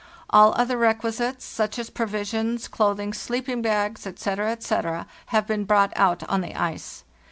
All other requisites, such as provisions, clothing, sleeping bags, etc., etc., have been brought out on the ice.